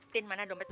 tin mana dompet umi